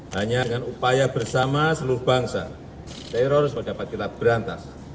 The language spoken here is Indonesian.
hanya dengan upaya bersama seluruh bangsa terorisme dapat kita berantas